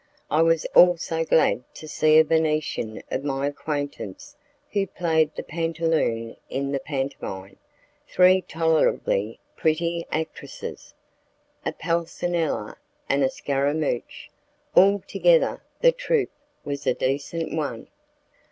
I was also glad to see a Venetian of my acquaintance who played the pantaloon in the pantomime, three tolerably pretty actresses, a pulcinella, and a scaramouch. Altogether, the troupe was a decent one.